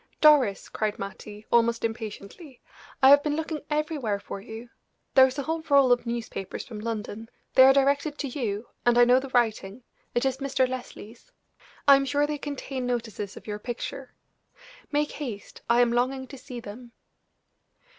"Doris," cried Mattie, almost impatiently, "I have been looking everywhere for you. There is a whole roll of newspapers from London; they are directed to you, and I know the writing it is Mr. Leslie's. I am sure they contain notices of your picture. Make haste I am longing to see them."